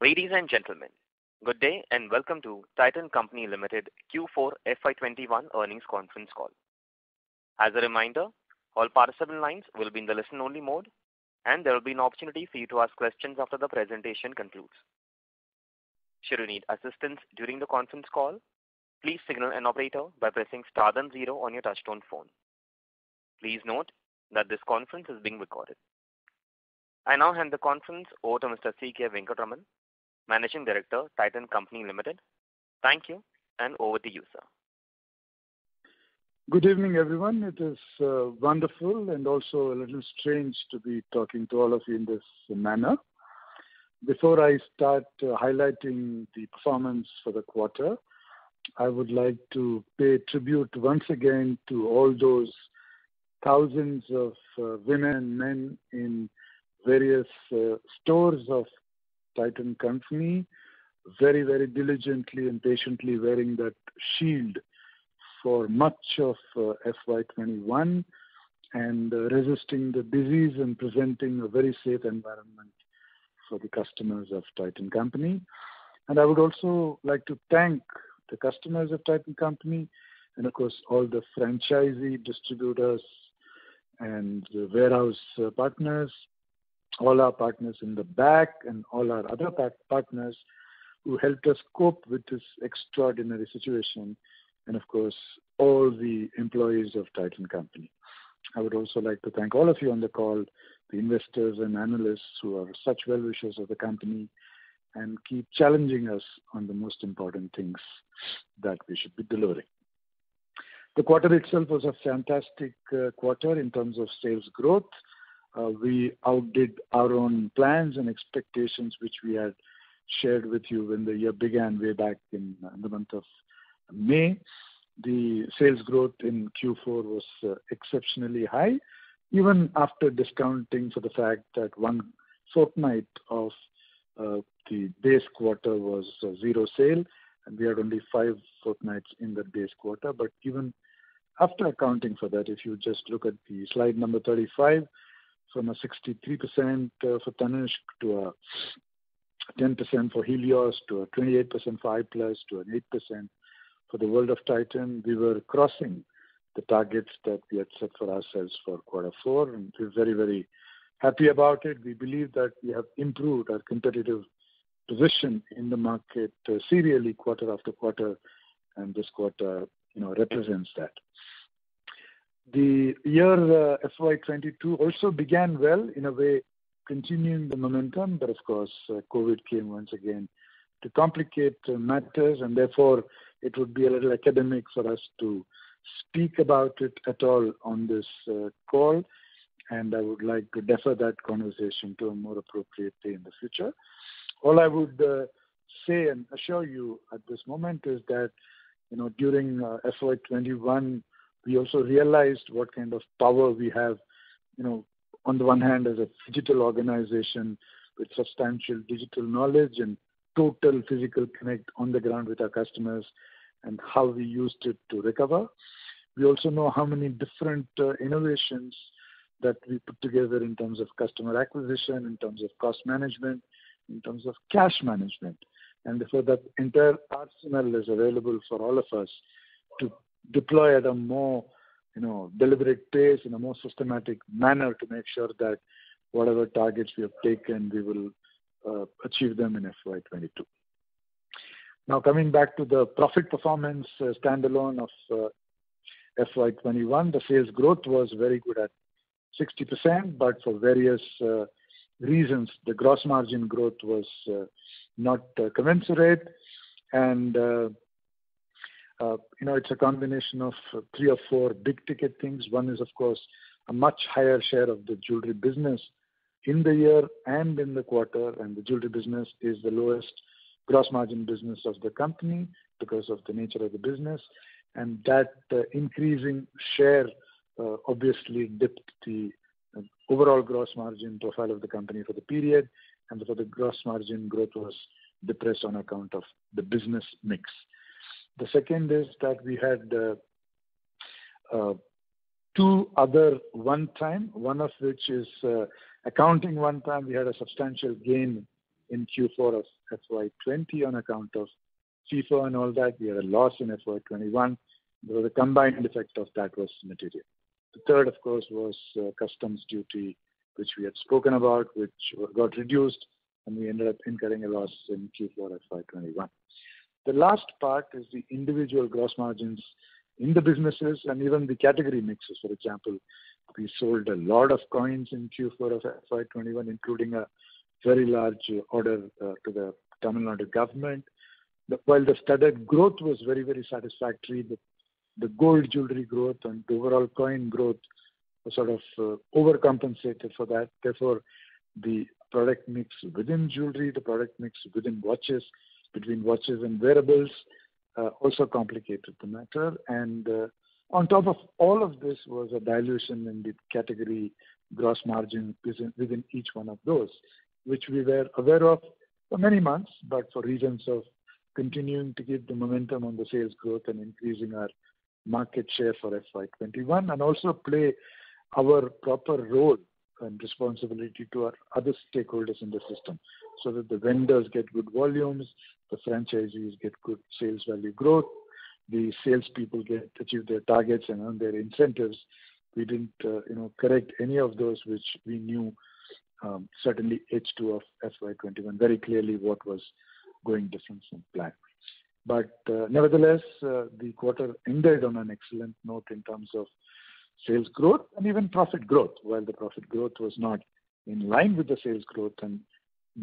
Ladies and gentlemen, good day and welcome to Titan Company Limited Q4 FY 2021 earnings conference call. As a reminder, all participant lines will be in the listen only mode, and there will be an opportunity for you to ask questions after the presentation concludes. Should you need assistance during the conference call, please signal an operator by pressing star and then zero on your touchtone phone. Please note that this conference is being recorded. I now hand the conference over to Mr. C. K. Venkataraman, Managing Director, Titan Company Limited. Thank you, and over to you, sir. Good evening, everyone. It is wonderful and also a little strange to be talking to all of you in this manner. Before I start highlighting the performance for the quarter, I would like to pay tribute once again to all those thousands of women and men in various stores of Titan Company, very diligently and patiently wearing that shield for much of FY 2021 and resisting the disease and presenting a very safe environment for the customers of Titan Company. I would also like to thank the customers of Titan Company and, of course, all the franchisee distributors and warehouse partners, all our partners in the back and all our other partners who helped us cope with this extraordinary situation and, of course, all the employees of Titan Company. I would also like to thank all of you on the call, the investors and analysts who are such well-wishers of the company and keep challenging us on the most important things that we should be delivering. The quarter itself was a fantastic quarter in terms of sales growth. We outdid our own plans and expectations, which we had shared with you when the year began way back in the month of May. The sales growth in Q4 was exceptionally high. Even after discounting for the fact that one fortnight of the base quarter was zero sale, and we had only five fortnights in that base quarter. Even after accounting for that, if you just look at the slide 35, from a 63% for Tanishq to a 10% for Helios to a 28% EyePlus, to an 8% for the World of Titan, we were crossing the targets that we had set for ourselves for Q4, and we're very happy about it. We believe that we have improved our competitive position in the market serially quarter after quarter, and this quarter represents that. The year FY 2022 also began well, in a way continuing the momentum. Of course, COVID came once again to complicate matters, and therefore it would be a little academic for us to speak about it at all on this call, and I would like to defer that conversation to a more appropriate day in the future. All I would say and assure you at this moment is that during FY 2021, we also realized what kind of power we have, on the one hand as a digital organization with substantial digital knowledge and total physical connect on the ground with our customers and how we used it to recover. We also know how many different innovations that we put together in terms of customer acquisition, in terms of cost management, in terms of cash management. Therefore, that entire arsenal is available for all of us to deploy at a more deliberate pace, in a more systematic manner to make sure that whatever targets we have taken, we will achieve them in FY 2022. Coming back to the profit performance standalone of FY 2021. The sales growth was very good at 60%, but for various reasons, the gross margin growth was not commensurate. It's a combination of three or four big-ticket things. One is, of course, a much higher share of the jewelry business in the year and in the quarter. The jewelry business is the lowest gross margin business of the company because of the nature of the business. That increasing share obviously dipped the overall gross margin profile of the company for the period. Therefore, the gross margin growth was depressed on account of the business mix. The second is that we had two other one-time, one of which is accounting one-time. We had a substantial gain in Q4 of FY 2020 on account of FIFO and all that. We had a loss in FY 2021. The combined effect of that was material. The third, of course, was customs duty which we had spoken about, which got reduced, and we ended up incurring a loss in Q4 FY 2021. The last part is the individual gross margins in the businesses and even the category mixes. For example, we sold a lot of coins in Q4 of FY 2021, including a very large order to the Tamil Nadu government. While the studded growth was very satisfactory, the gold jewelry growth and overall coin growth sort of overcompensated for that. Therefore, the product mix within jewelry, the product mix within watches, between watches and wearables also complicated the matter. On top of all of this was a dilution in the category gross margin within each one of those, which we were aware of for many months, but for reasons of continuing to keep the momentum on the sales growth and increasing our market share for FY 2021, and also play our proper role and responsibility to our other stakeholders in the system, so that the vendors get good volumes, the franchisees get good sales value growth, the salespeople achieve their targets and earn their incentives. We didn't correct any of those which we knew certainly H2 of FY 2021, very clearly what was going different from plan. Nevertheless, the quarter ended on an excellent note in terms of sales growth and even profit growth. While the profit growth was not in line with the sales growth and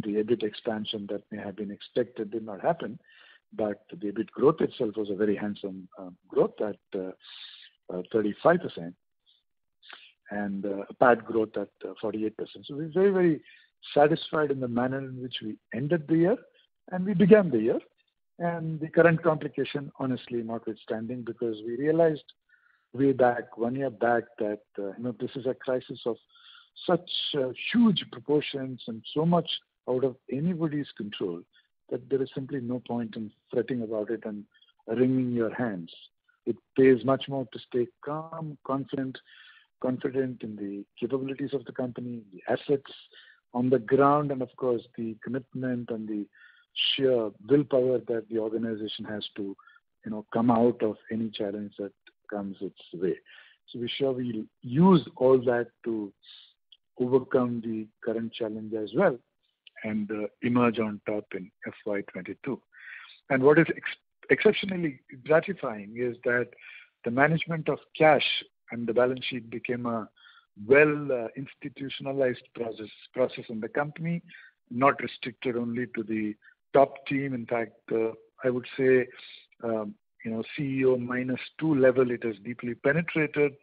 the EBIT expansion that may have been expected did not happen. The EBIT growth itself was a very handsome growth at 35%, and PAT growth at 48%. We're very, very satisfied in the manner in which we ended the year, and we began the year. The current complication, honestly notwithstanding. We realized way back, one year back, that this is a crisis of such huge proportions and so much out of anybody's control, that there is simply no point in fretting about it and wringing your hands. It pays much more to stay calm, confident in the capabilities of the company, the assets on the ground, and of course, the commitment and the sheer willpower that the organization has to come out of any challenge that comes its way. We're sure we'll use all that to overcome the current challenge as well, and emerge on top in FY 2022. What is exceptionally gratifying is that the management of cash and the balance sheet became a well-institutionalized process in the company, not restricted only to the top team. In fact, I would say CEO minus two level, it has deeply penetrated.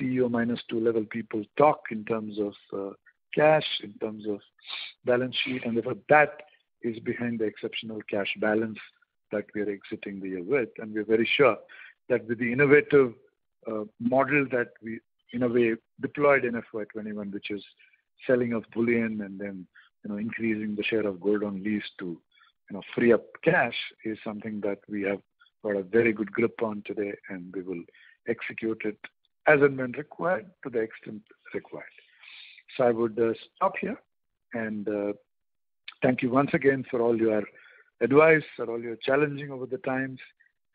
CEO minus two level people talk in terms of cash, in terms of balance sheet, and that is behind the exceptional cash balance that we're exiting the year with. We're very sure that with the innovative model that we in a way deployed in FY 2021, which is selling off bullion and then increasing the share of gold on lease to free up cash, is something that we have got a very good grip on today, and we will execute it as and when required to the extent required. I would stop here, and thank you once again for all your advice, for all your challenging over the times,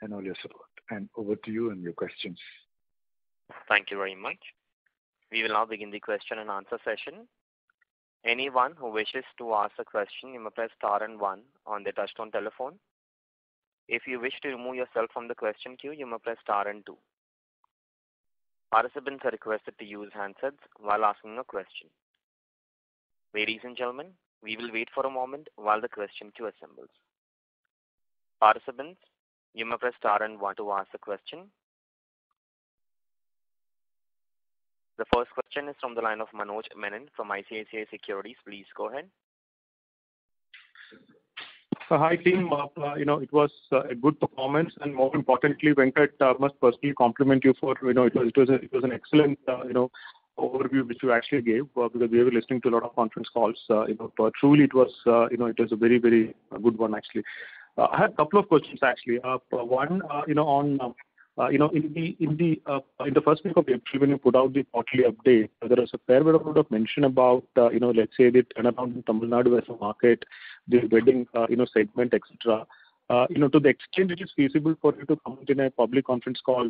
and all your support. Over to you and your questions. The first question is from the line of Manoj Menon from ICICI Securities. Please go ahead. Hi, team. It was a good performance, and more importantly, Venkat, I must personally compliment you for, it was an excellent overview which you actually gave, because we have been listening to a lot of conference calls. Truly, it was a very, very good one, actually. I had a couple of questions, actually. One, in the first week of April, when you put out the quarterly update, there was a fair bit of mention about, let's say, the turnaround in Tamil Nadu as a market, the wedding segment, et cetera. To the extent it is feasible for you to comment in a public conference call,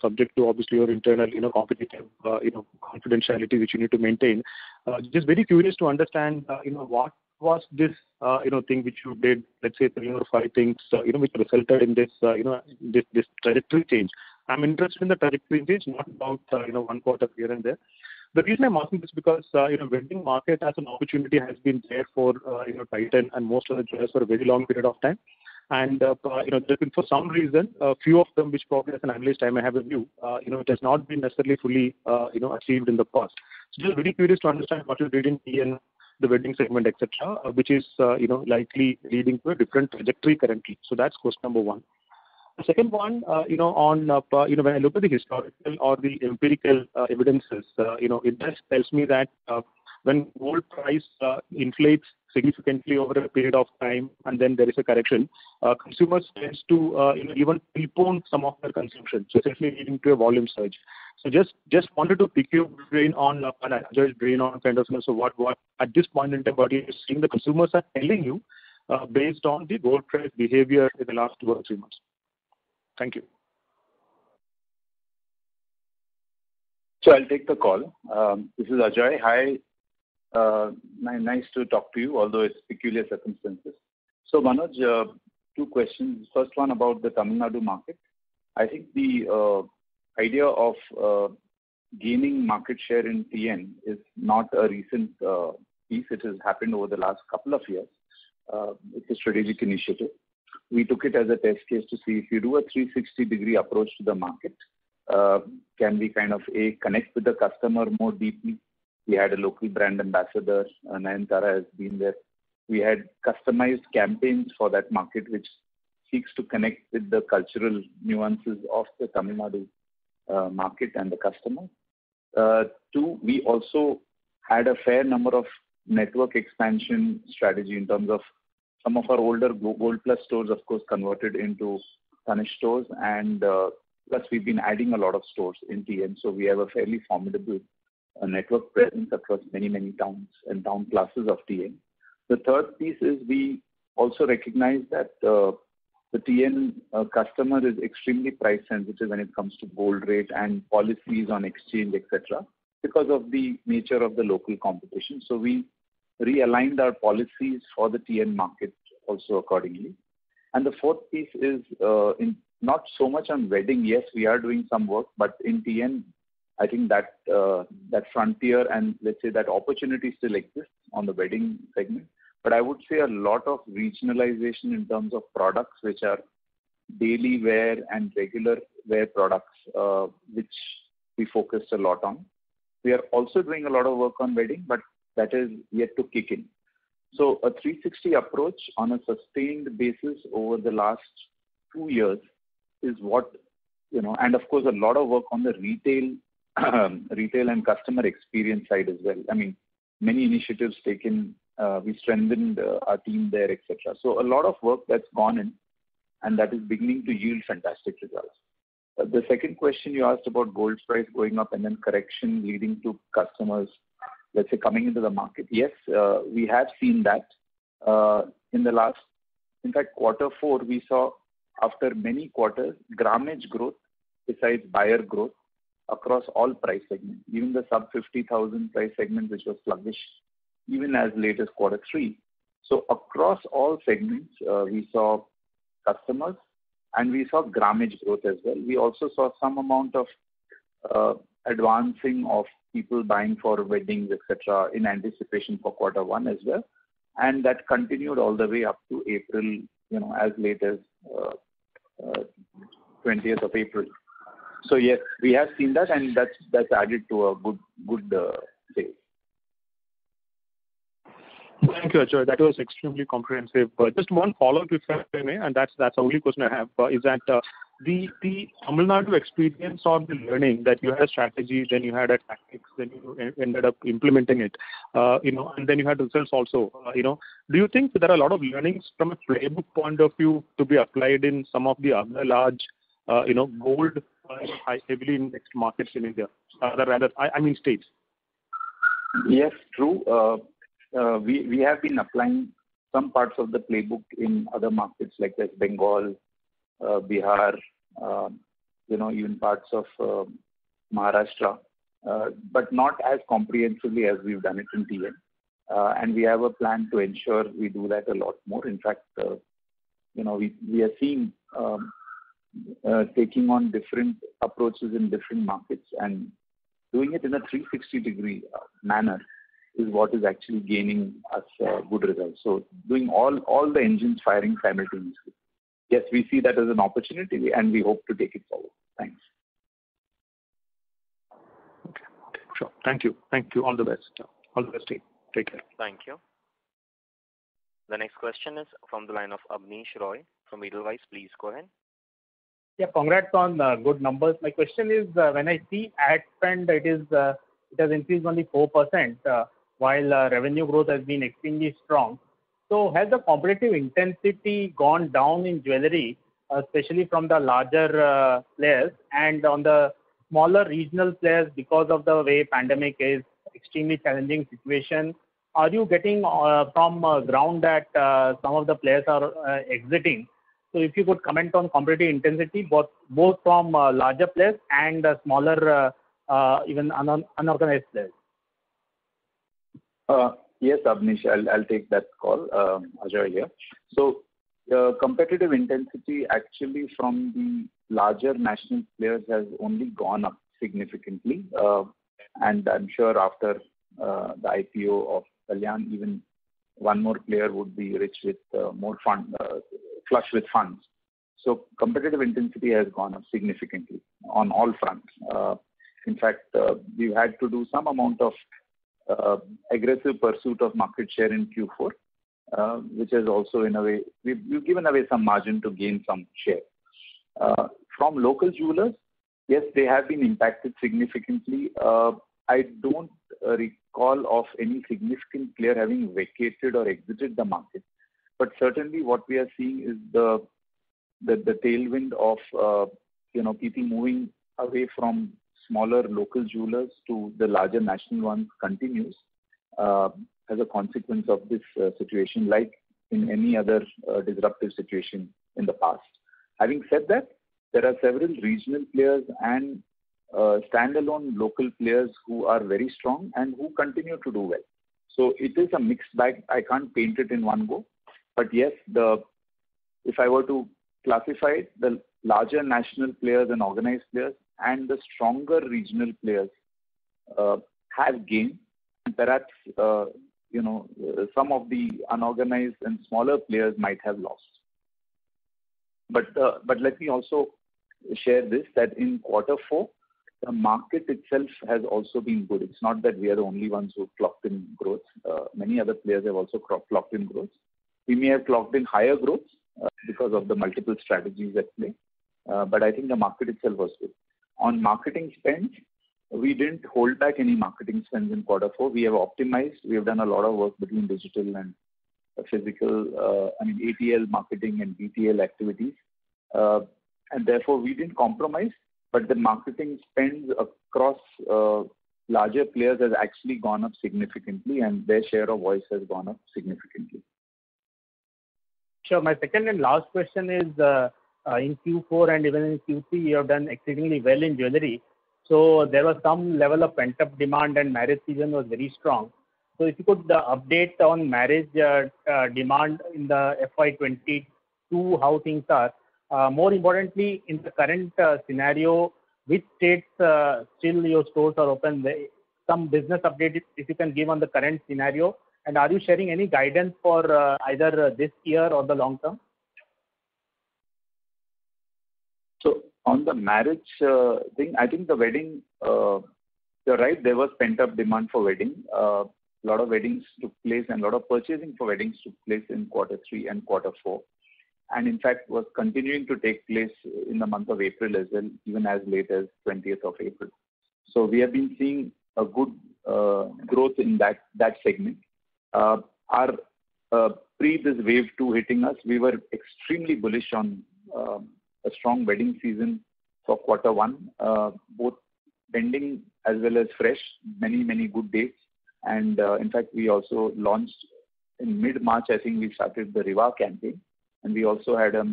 subject to obviously your internal confidentiality which you need to maintain. Just very curious to understand what was this thing which you did, let's say three or five things which resulted in this trajectory change. I'm interested in the trajectory change, not about one quarter here and there. The reason I'm asking this because wedding market as an opportunity has been there for Titan and most of the jewelers for a very long period of time. For some reason, a few of them, which probably as an analyst I may have a view, it has not been necessarily fully achieved in the past. Just very curious to understand what your reading Tanishq, the wedding segment, et cetera, which is likely leading to a different trajectory currently. That's question number one. The second one, when I look at the historical or the empirical evidences, it does tells me that when gold price inflates significantly over a period of time, and then there is a correction, consumers tends to even postpone some of their consumption, so essentially leading to a volume surge. Just wanted to pick your brain on, and Ajoy's brain on, what at this point in time, what are you seeing the consumers are telling you based on the gold price behavior in the last two or three months? Thank you. I'll take the call. This is Ajoy. Hi. Nice to talk to you, although it's peculiar circumstances. Manoj, two questions. First one about the Tamil Nadu market. I think the idea of gaining market share in TN is not a recent piece. It has happened over the last couple of years. It's a strategic initiative. We took it as a test case to see if you do a 360-degree approach to the market, can we kind of, A, connect with the customer more deeply? We had a local brand ambassador, Nayanthara has been there. We had customized campaigns for that market, which seeks to connect with the cultural nuances of the Tamil Nadu market and the customer. Two, we also had a fair number of network expansion strategy in terms of some of our older Gold Plus stores, of course, converted into Tanishq stores. Plus we've been adding a lot of stores in TN. We have a fairly formidable network presence across many, many towns and town classes of TN. The third piece is we also recognize that the TN customer is extremely price sensitive when it comes to gold rate and policies on exchange, et cetera, because of the nature of the local competition. We realigned our policies for the TN market also accordingly. The fourth piece is, not so much on wedding. Yes, we are doing some work, in TN, I think that frontier and let's say that opportunity still exists on the wedding segment. I would say a lot of regionalization in terms of products which are daily wear and regular wear products, which we focused a lot on. We are also doing a lot of work on wedding. That is yet to kick in. A 360 approach on a sustained basis over the last two years is what. Of course, a lot of work on the retail and customer experience side as well. Many initiatives taken, we strengthened our team there, et cetera. A lot of work that's gone in, and that is beginning to yield fantastic results. The second question you asked about gold price going up and then correction leading to customers, let's say, coming into the market. Yes, we have seen that. Q4, we saw after many quarters, grammage growth besides buyer growth across all price segments, even the sub 50,000 price segment, which was sluggish even as late as Q3. Across all segments, we saw customers, and we saw grammage growth as well. We also saw some amount of advancing of people buying for weddings, et cetera, in anticipation for Q1 as well. That continued all the way up to April, as late as 20th of April. Yes, we have seen that, and that's added to a good day. Thank you, Ajoy. That was extremely comprehensive. Just one follow-up if I may, and that's the only question I have, is that the Tamil Nadu experience or the learning that you had a strategy, then you had a tactics, then you ended up implementing it. Then you had results also. Do you think there are a lot of learnings from a playbook point of view to be applied in some of the other large gold heavily indexed markets in India? Rather, I mean states. Yes, true. We have been applying some parts of the playbook in other markets like West Bengal, Bihar, even parts of Maharashtra. Not as comprehensively as we've done it in TN. We have a plan to ensure we do that a lot more. In fact, we are seeing taking on different approaches in different markets and doing it in a 360 degree manner is what is actually gaining us good results. Doing all the engines firing simultaneously. Yes, we see that as an opportunity, and we hope to take it forward. Thanks. Okay. Sure. Thank you. All the best. All the best to you. Take care. Thank you. The next question is from the line of Abneesh Roy from Edelweiss. Please go ahead. Yeah, congrats on good numbers. My question is, when I see ad spend, it has increased only 4% while revenue growth has been extremely strong. Has the competitive intensity gone down in jewelry, especially from the larger players and on the smaller regional players because of the way pandemic is extremely challenging situation? Are you getting from ground that some of the players are exiting? If you could comment on competitive intensity, both from larger players and smaller, even unorganized players. Yes, Abneesh, I'll take that call. Ajoy here. Competitive intensity, actually from the larger national players, has only gone up significantly. I'm sure after the IPO of Kalyan, even one more player would be rich with more fund, flush with funds. Competitive intensity has gone up significantly on all fronts. In fact, we've had to do some amount of aggressive pursuit of market share in Q4 which has also in a way, we've given away some margin to gain some share. From local jewelers, yes, they have been impacted significantly. I don't recall of any significant player having vacated or exited the market. Certainly what we are seeing is the tailwind of people moving away from smaller local jewelers to the larger national ones continues, as a consequence of this situation, like in any other disruptive situation in the past. Having said that, there are several regional players and standalone local players who are very strong and who continue to do well. It is a mixed bag. I can't paint it in one go. Yes, if I were to classify it, the larger national players and organized players and the stronger regional players have gained. Perhaps some of the unorganized and smaller players might have lost. Let me also share this, that in Q4, the market itself has also been good. It's not that we are the only ones who've clocked in growth. Many other players have also clocked in growth. We may have clocked in higher growth because of the multiple strategies at play, but I think the market itself was good. On marketing spend, we didn't hold back any marketing spends in Q4. We have optimized. We have done a lot of work between digital and physical, I mean, ATL marketing and BTL activities. Therefore, we didn't compromise. The marketing spends across larger players has actually gone up significantly, and their share of voice has gone up significantly. Sure. My second and last question is, in Q4 and even in Q3, you have done exceedingly well in jewelry. There was some level of pent-up demand, and marriage season was very strong. The update on marriage demand in the FY 2022, how things are. More importantly, in the current scenario, which states still your stores are open? Some business update, if you can give on the current scenario. Are you sharing any guidance for either this year or the long term? On the marriage thing, I think the wedding, you're right, there was pent-up demand for wedding. A lot of weddings took place, and a lot of purchasing for weddings took place in Q3 and Q4, and in fact, was continuing to take place in the month of April as well, even as late as 20th of April. We have been seeing a good growth in that segment. Pre this wave two hitting us, we were extremely bullish on a strong wedding season for Q1, both pending as well as fresh, many, many good days. In fact, we also launched in mid-March, I think we started the Rivaah campaign, and we also had a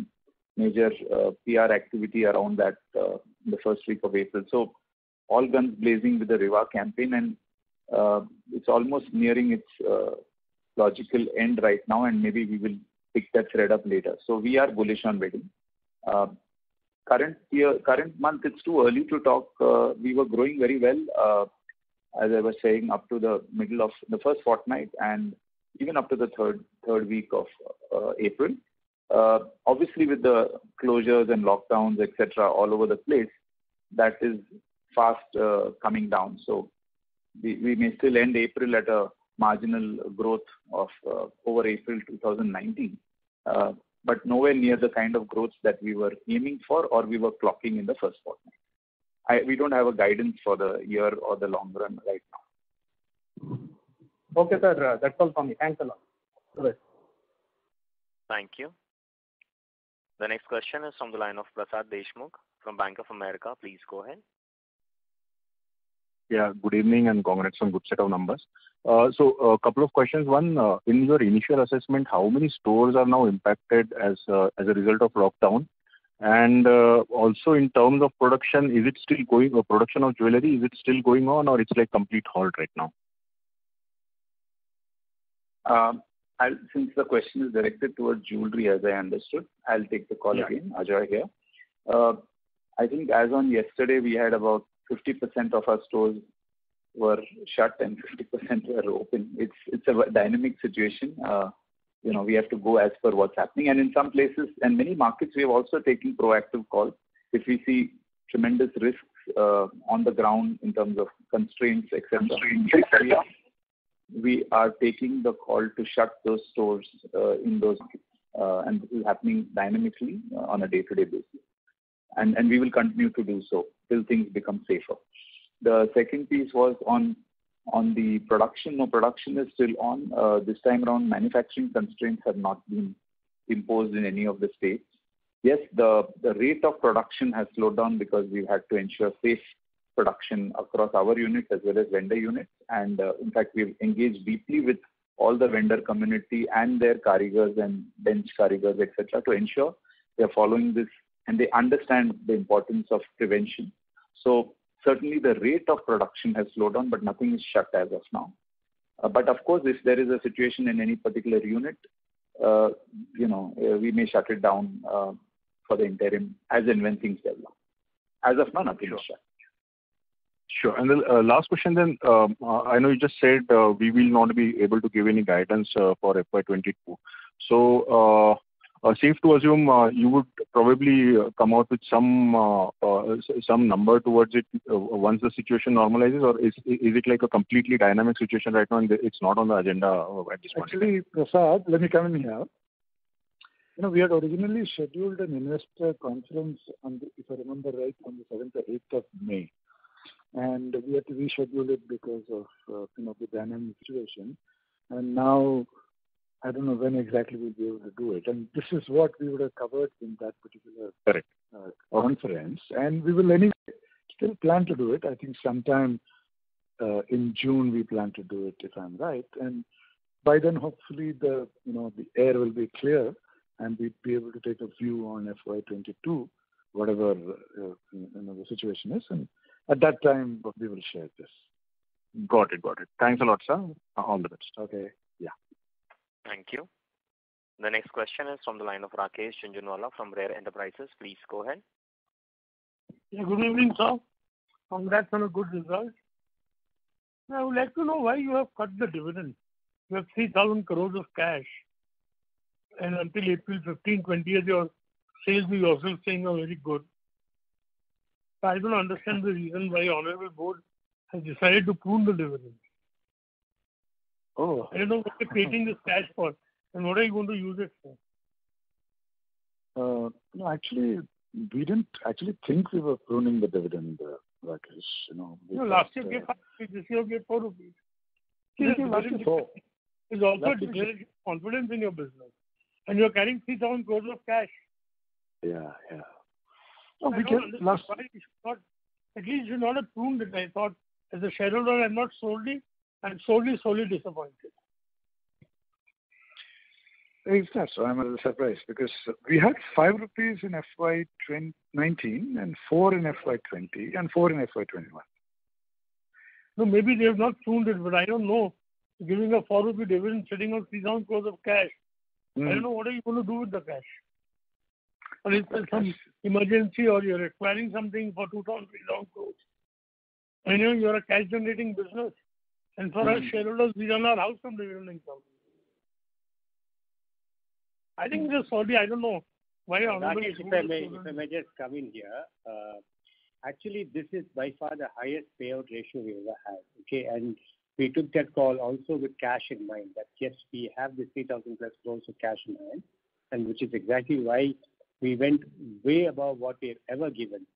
major PR activity around that the first week of April. All guns blazing with the Rivaah campaign, and it's almost nearing its logical end right now, and maybe we will pick that thread up later. We are bullish on wedding. Current month, it's too early to talk. We were growing very well, as I was saying, up to the middle of the first fortnight and even up to the third week of April. Obviously, with the closures and lockdowns, et cetera, all over the place, that is fast coming down. We may still end April at a marginal growth of over April 2019, but nowhere near the kind of growth that we were aiming for or we were clocking in the first fortnight. We don't have a guidance for the year or the long run right now. Okay, sir. That's all from me. Thanks a lot. All the best. Thank you. The next question is from the line of Prasad Deshmukh from Bank of America. Please go ahead. Yeah, good evening, and congrats on good set of numbers. A couple of questions. One, in your initial assessment, how many stores are now impacted as a result of lockdown? Also, in terms of production, is it still going or production of jewelry, is it still going on or it's like complete halt right now? Since the question is directed towards jewelry, as I understood, I'll take the call again. Yeah. Ajoy here. I think as on yesterday, we had about 50% of our stores were shut and 50% were open. It's a dynamic situation. We have to go as per what's happening. In some places and many markets, we have also taken proactive calls. If we see tremendous risks on the ground in terms of constraints, et cetera. Constraints, et cetera. We are taking the call to shut those stores in those cases. This is happening dynamically on a day-to-day basis. We will continue to do so till things become safer. The second piece was on the production. No, production is still on. This time around, manufacturing constraints have not been imposed in any of the states. Yes, the rate of production has slowed down because we've had to ensure safe production across our units as well as vendor units. In fact, we've engaged deeply with all the vendor community and their Karigars and bench Karigars, et cetera, to ensure they're following this and they understand the importance of prevention. Certainly, the rate of production has slowed down, but nothing is shut as of now. Of course, if there is a situation in any particular unit, we may shut it down for the interim as and when things develop. As of now, nothing is shut. Sure. The last question, I know you just said we will not be able to give any guidance for FY 2022. Safe to assume you would probably come out with some number towards it once the situation normalizes? Is it like a completely dynamic situation right now and it's not on the agenda at this point in time? Actually, Prasad, let me come in here. We had originally scheduled an investor conference on, if I remember right, on the seventh or eighth of May. We had to reschedule it because of the dynamic situation. Now, I don't know when exactly we'll be able to do it. This is what we would have covered in that particular. Correct Conference. We will anyway still plan to do it. I think sometime in June we plan to do it, if I'm right. By then, hopefully, the air will be clear, and we'd be able to take a view on FY 2022, whatever the situation is. At that time, we will share this. Got it. Thanks a lot, sir. All the best. Okay. Yeah. Thank you. The next question is from the line of Rakesh Jhunjhunwala from Rare Enterprises. Please go ahead. Yeah, good evening, sir. Congrats on a good result. Now I would like to know why you have cut the dividend. You have 3,000 crore of cash, and until April 15, 2020, your sales, you yourself saying are very good. I don't understand the reason why honorable board has decided to prune the dividend. Oh. I don't know what you're creating this cash for, and what are you going to use it for? No, actually, we didn't actually think we were pruning the dividend, Rakesh. No, last year you gave INR five, this year you gave INR four. Still giving INR four. It's also to declare your confidence in your business. You're carrying 3,000 crores of cash. Yeah. No, we don't. I don't understand why you should not At least you not have pruned it, I thought. As a shareholder, I'm solely disappointed. It's not. I'm a little surprised because we had 5 rupees in FY 2019, 4 in FY 2020, 4 in FY 2021. No, maybe they have not pruned it, but I don't know. Giving an 4 rupee dividend, sitting on 3,000 crore of cash. I don't know, what are you going to do with the cash? Unless there's some emergency or you're acquiring something for 2,000 crore-3,000 crore. You're a cash-generating business. For us shareholders, we don't know how some dividend comes. I think this is solely, I don't know why honorable- If I may just come in here. Actually, this is by far the highest payout ratio we ever had, okay? We took that call also with cash in mind, that, yes, we have this 3,000 plus crores of cash in hand, and which is exactly why we went way above what we've ever given.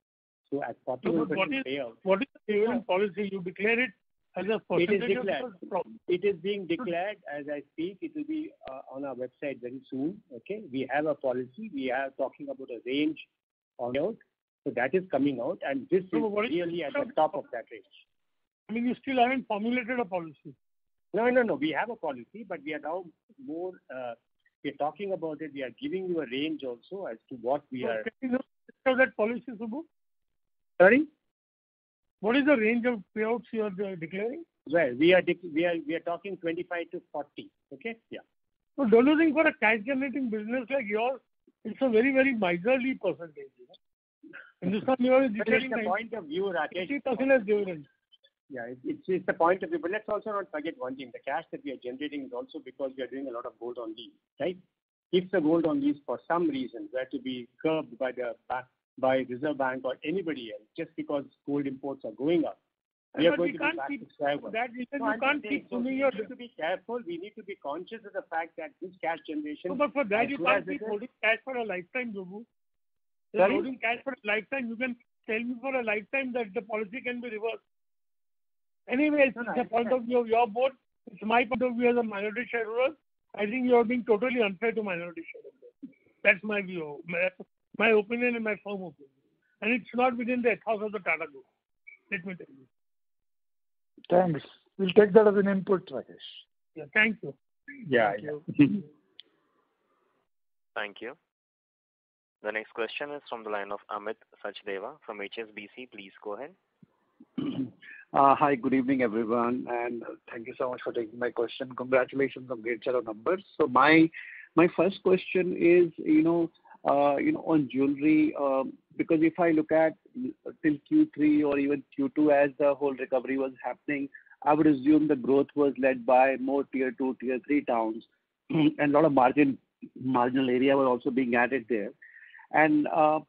What is the dividend policy? You declare it as a percentage of- It is declared. It is being declared as I speak. It will be on our website very soon. Okay? We have a policy. We are talking about a range payout. That is coming out, and this is- Subbu. clearly at the top of that range. Meaning you still haven't formulated a policy. No. We have a policy, but we are now more. We're talking about it. We are giving you a range also as to what we are- Can you tell us that policy, Subbu? Sorry. What is the range of payouts you are declaring? Well, we are talking 25-40. Okay? Yeah. Delivering for a cash-generating business like yours, it's a very miserly percentage. That is the point of view, Rakesh. 3,000 as dividend. Yeah, it's the point of view. Let's also not forget one thing. The cash that we are generating is also because we are doing a lot of gold on lease. If the gold on lease, for some reason, were to be curbed by Reserve Bank or anybody else, just because gold imports are going up. We can't. we are going to be back to square one. For that reason you can't keep swimming. I think we need to be careful. We need to be conscious of the fact that this cash generation- No, for that you can't keep holding cash for a lifetime, Subbu. Sorry? You're holding cash for a lifetime. You can tell me for a lifetime that the policy can be reversed. Anyway, it's the point of view of your board. It's my point of view as a minority shareholder. I think you are being totally unfair to minority shareholders. That's my view. My opinion, and my firm opinion. It's not within the ethos of the Tata Group. Let me tell you. Thanks. We'll take that as an input, Rakesh. Yeah. Thank you. Yeah. Thank you. The next question is from the line of Amit Sachdeva from HSBC. Please go ahead. Hi, good evening, everyone, and thank you so much for taking my question. Congratulations on great set of numbers. My first question is on jewelry, because if I look at till Q3 or even Q2 as the whole recovery was happening, I would assume the growth was led by more Tier 2, Tier 3 towns, and lot of marginal area were also being added there. Q4,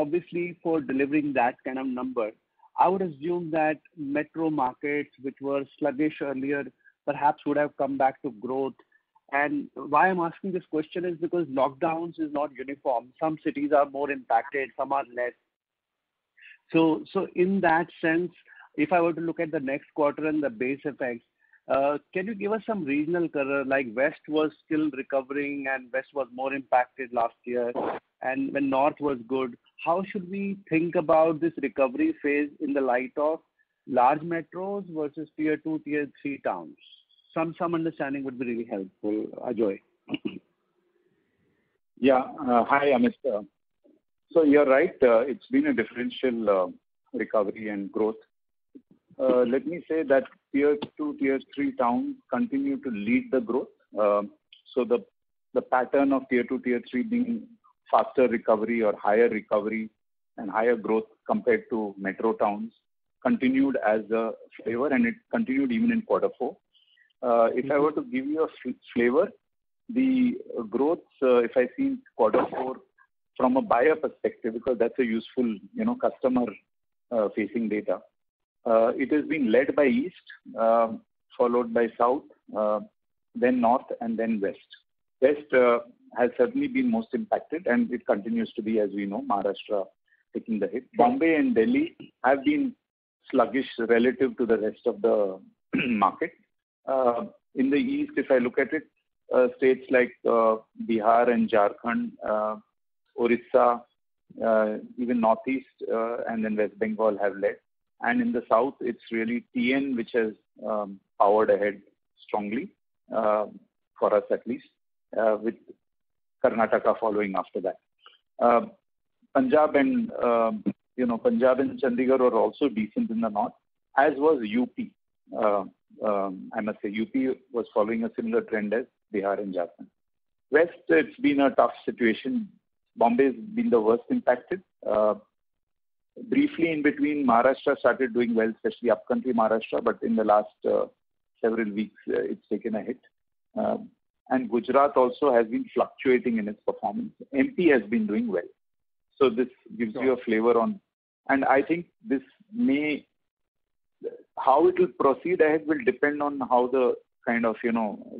obviously, for delivering that kind of number, I would assume that metro markets which were sluggish earlier perhaps would have come back to growth. Why I'm asking this question is because lockdowns is not uniform. Some cities are more impacted, some are less. In that sense, if I were to look at the next quarter and the base effects, can you give us some regional color, like west was still recovering and west was more impacted last year, and the north was good. How should we think about this recovery phase in the light of large metros versus Tier 2, Tier 3 towns? Some understanding would be really helpful, Ajoy. Yeah. Hi, Amit. You're right, it's been a differential recovery and growth. Let me say that Tier 2, Tier 3 towns continue to lead the growth. The pattern of Tier 2, Tier 3 being faster recovery or higher recovery and higher growth compared to metro towns continued as a flavor, and it continued even in Q4. If I were to give you a flavor, the growth, if I see Q4 from a buyer perspective, because that's a useful customer-facing data. It is being led by East, followed by South, then North, and then West. West has certainly been most impacted, and it continues to be, as we know, Maharashtra taking the hit. Bombay and Delhi have been sluggish relative to the rest of the market. In the East, if I look at it, states like Bihar and Jharkhand, Orissa, even Northeast, and then West Bengal have led. In the South, it's really TN which has powered ahead strongly, for us at least, with Karnataka following after that. Punjab and Chandigarh were also decent in the North, as was UP. I must say, UP was following a similar trend as Bihar and Jharkhand. West, it's been a tough situation. Bombay has been the worst impacted. Briefly in between, Maharashtra started doing well, especially upcountry Maharashtra, but in the last several weeks, it's taken a hit. Gujarat also has been fluctuating in its performance. MP has been doing well. This gives you a flavor on. I think how it will proceed ahead will depend on how the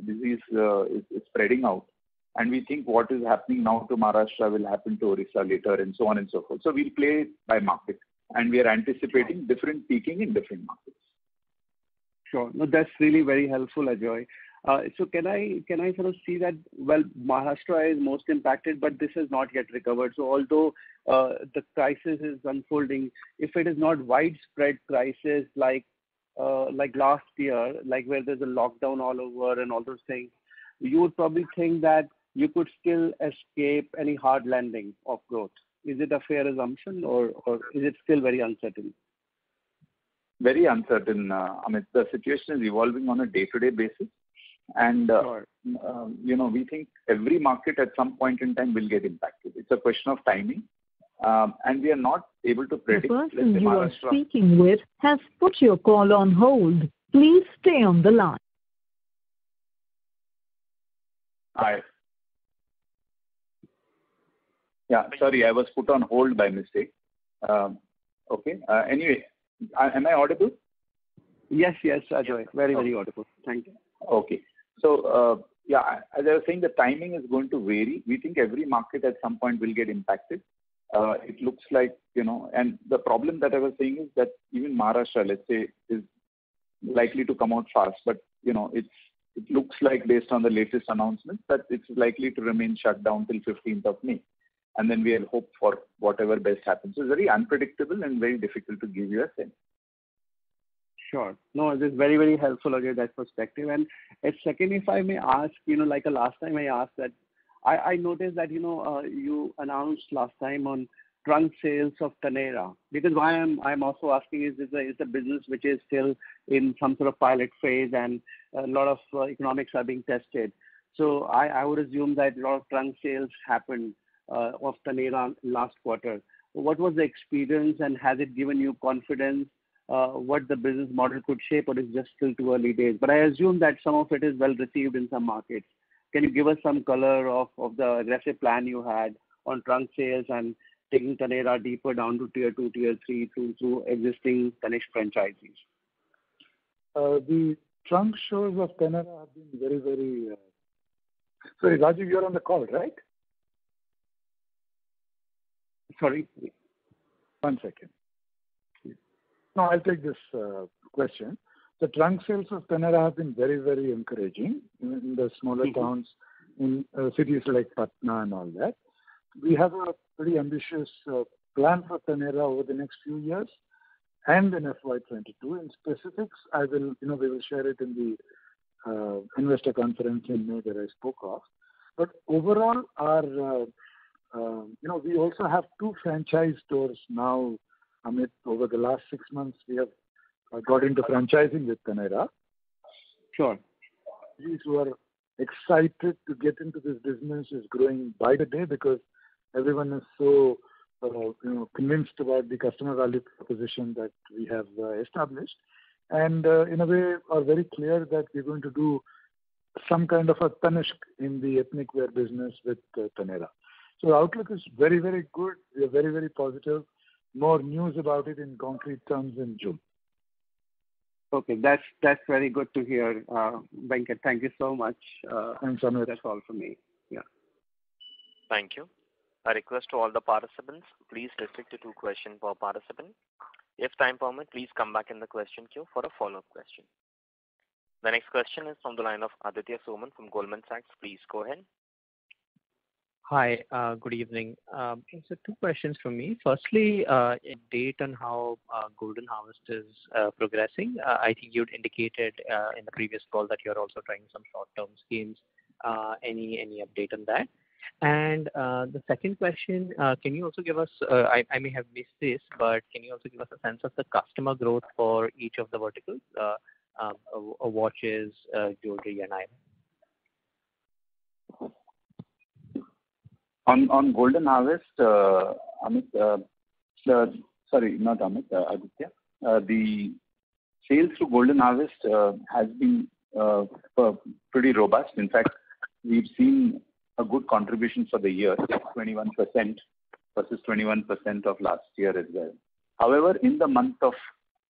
disease is spreading out. We think what is happening now to Maharashtra will happen to Orissa later, and so on and so forth. We'll play by market, and we are anticipating different peaking in different markets. Sure. No, that's really very helpful, Ajoy. Can I sort of see that, well, Maharashtra is most impacted, but this has not yet recovered. Although the crisis is unfolding, if it is not widespread crisis like last year, like where there's a lockdown all over and all those things, you would probably think that you could still escape any hard landing of growth. Is it a fair assumption or is it still very uncertain? Very uncertain, Amit. The situation is evolving on a day-to-day basis. Sure we think every market at some point in time will get impacted. It's a question of timing, and we are not able to predict, let's say, Maharashtra- The person you are speaking with has put your call on hold. Please stay on the line. Hi. Yeah, sorry. I was put on hold by mistake. Okay. Anyway, am I audible? Yes, yes, Ajoy. Very, very audible. Thank you. Okay. As I was saying, the timing is going to vary. We think every market at some point will get impacted. The problem that I was saying is that even Maharashtra, let's say, is likely to come out fast. It looks like based on the latest announcement, that it's likely to remain shut down till 15th of May, and then we'll hope for whatever best happens. It's very unpredictable and very difficult to give you a sense. Sure. No, this is very, very helpful, Ajoy, that perspective. Second, if I may ask, like the last time I asked that, I noticed that you announced last time on trunk sales of Taneira. Because why I'm also asking is, it's a business which is still in some sort of pilot phase, and a lot of economics are being tested. So I would assume that a lot of trunk sales happened of Taneira last quarter. What was the experience and has it given you confidence what the business model could shape or it's just still too early days? But I assume that some of it is well received in some markets. Can you give us some color of the recipe plan you had on trunk sales and taking Taneira deeper down to tier 2, tier 3 through existing Tanishq franchisees? The trunk shows of Taneira have been very Sorry, Rajiv, you're on the call, right? Sorry. One second. I'll take this question. The trunk sales of Taneira have been very encouraging in the smaller towns, in cities like Patna and all that. We have a very ambitious plan for Taneira over the next few years and in FY 2022. In specifics, we will share it in the investor conference in May that I spoke of. Overall, we also have two franchise stores now, Amit. Over the last six months, we have got into franchising with Taneira. Sure. Those who are excited to get into this business is growing by the day because everyone is so convinced about the customer value proposition that we have established, and in a way are very clear that we're going to do some kind of a Tanishq in the ethnic wear business with Taneira. The outlook is very, very good. We are very, very positive. More news about it in concrete terms in June. Okay. That's very good to hear, Venkat. Thank you so much. Thanks, Amit. That's all from me. Yeah. Thank you. A request to all the participants. Please restrict it to one question per participant. If time permit, please come back in the question queue for a follow-up question. The next question is from the line of Aditya Soman from Goldman Sachs. Please go ahead. Hi. Good evening. Two questions from me. Firstly, an update on how Golden Harvest is progressing. I think you'd indicated in the previous call that you're also trying some short-term schemes. Any update on that? The second question, I may have missed this, but can you also give us a sense of the customer growth for each of the verticals, watches, jewelry, and eyewear? On Golden Harvest, Amit. Sorry, not Amit. Aditya. The sales through Golden Harvest has been pretty robust. We've seen a good contribution for the year, 21% versus 21% of last year as well.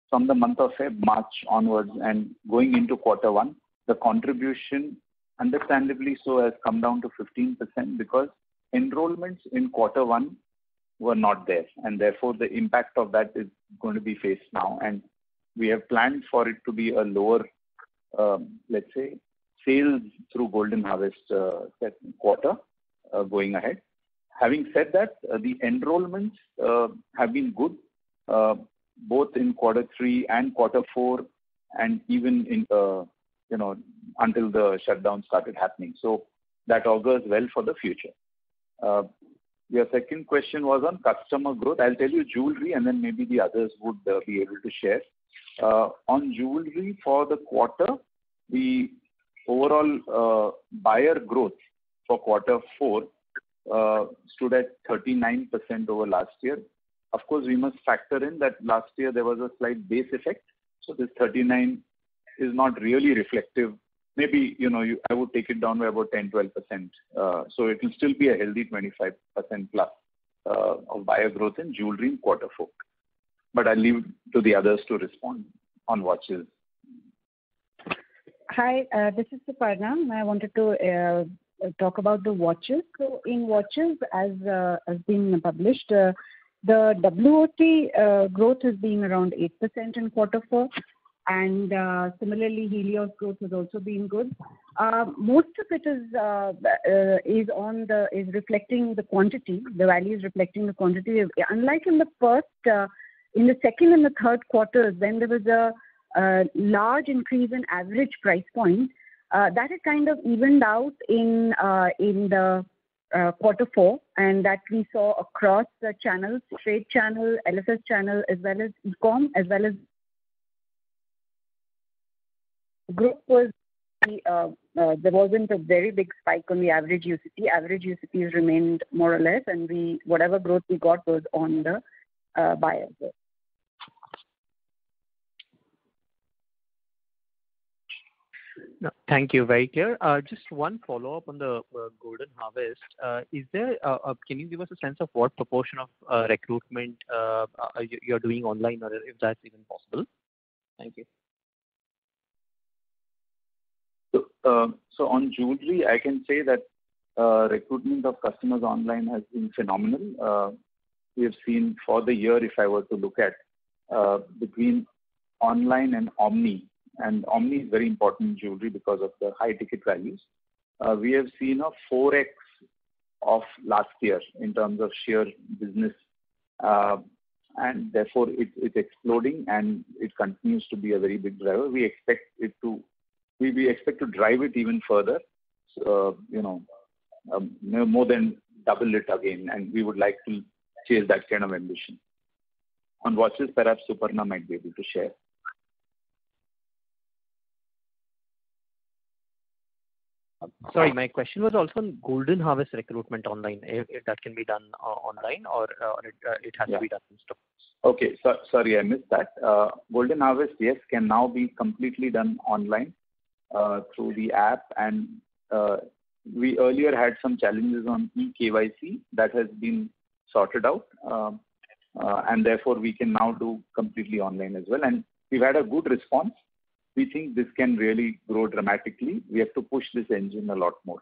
From the month of March onwards and going into Q1, the contribution, understandably so, has come down to 15% because enrollments in Q1 were not there, therefore the impact of that is going to be faced now, we have planned for it to be a lower, let's say, sales through Golden Harvest that quarter going ahead. The enrollments have been good both in Q3 and Q4 even until the shutdown started happening. That augurs well for the future. Your second question was on customer growth. I'll tell you jewelry, then maybe the others would be able to share. On jewelry for the quarter, the overall buyer growth for Q4 stood at 39% over last year. Of course, we must factor in that last year there was a slight base effect, so this 39 is not really reflective. Maybe, I would take it down by about 10%-12%. It will still be a healthy 25% plus of buyer growth in jewelry in Q4. I'll leave to the others to respond on watches. Hi, this is Suparna. In watches as being published, the WOT growth has been around 8% in Q4, and similarly Helios growth has also been good. Most of it is reflecting the quantity, the value is reflecting the quantity. Unlike in the first, in the second and the third quarters, when there was a large increase in average price point, that has kind of evened out in the Q4, and that we saw across the channels, trade channel, LFS channel, as well as e-com. There wasn't a very big spike on the average UCT. Average UCT remained more or less, and whatever growth we got was on the buyers. Thank you. Very clear. Just one follow-up on the Golden Harvest. Can you give us a sense of what proportion of recruitment you're doing online or if that's even possible? Thank you. On jewelry, I can say that recruitment of customers online has been phenomenal. We have seen for the year, if I were to look at, between online and omni, and omni is very important in jewelry because of the high-ticket values. We have seen a 4x of last year in terms of sheer business. Therefore, it's exploding and it continues to be a very big driver. We expect to drive it even further, more than double it again, and we would like to chase that kind of ambition. On watches, perhaps Suparna might be able to share. Sorry, my question was also on Golden Harvest recruitment online, if that can be done online or it has to be done in stores. Okay. Sorry, I missed that. Golden Harvest, yes, can now be completely done online, through the app. We earlier had some challenges on eKYC that has been sorted out. Therefore, we can now do completely online as well. We've had a good response. We think this can really grow dramatically. We have to push this engine a lot more,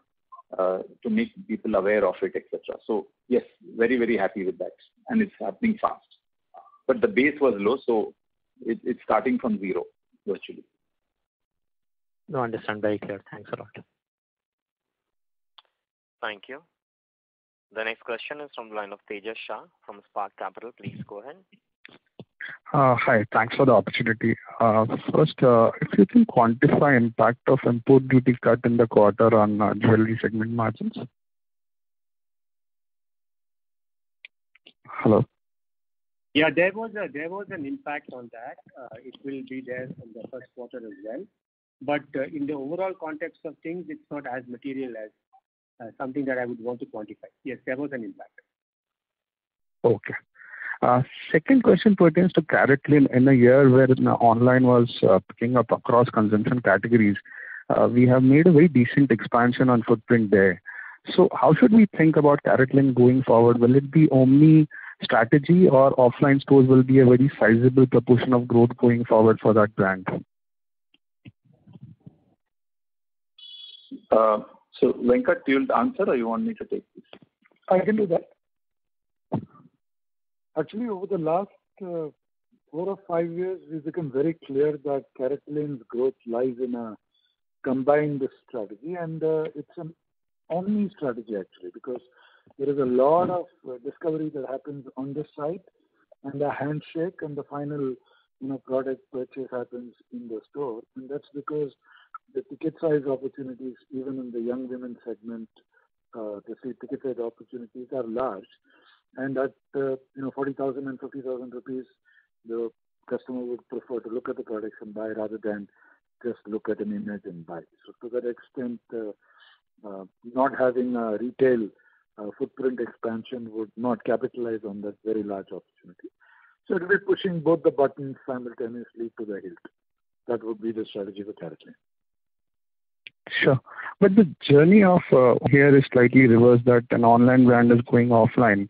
to make people aware of it, et cetera. Yes, very, very happy with that, and it's happening fast. The base was low. It's starting from zero virtually. No, understand. Very clear. Thanks a lot. Thank you. The next question is from the line of Tejas Shah from Spark Capital. Please go ahead. Hi, thanks for the opportunity. First, if you can quantify impact of import duty cut in the quarter on jewelry segment margins? Hello? Yeah, there was an impact on that. It will be there in the first quarter as well. In the overall context of things, it's not as material as something that I would want to quantify. Yes, there was an impact. Okay. Second question pertains to CaratLane. In a year where online was picking up across consumption categories, we have made a very decent expansion on footprint there. How should we think about CaratLane going forward? Will it be omni strategy or offline stores will be a very sizable proportion of growth going forward for that brand? Venkat, do you want to answer or you want me to take this? I can do that. Actually, over the last four or five years, we've become very clear that CaratLane's growth lies in a combined strategy. It's an omni strategy actually, because there is a lot of discovery that happens on the site and the handshake and the final product purchase happens in the store. That's because the ticket size opportunities, even in the young women segment, the free ticket size opportunities are large. At 40,000 and 50,000 rupees, the customer would prefer to look at the products and buy rather than just look at an image and buy. To that extent, not having a retail footprint expansion would not capitalize on that very large opportunity. It'll be pushing both the buttons simultaneously to the hilt. That would be the strategy for CaratLane. Sure. The journey of here is slightly reversed that an online brand is going offline.